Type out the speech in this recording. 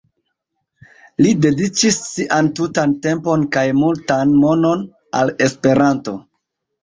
Li dediĉis sian tutan tempon kaj multan monon al Esperanto.